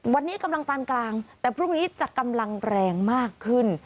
วันนี้กำลังปานกลางแต่พรุ่งนี้จะกำลังแรงมากขึ้น